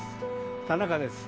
田中です。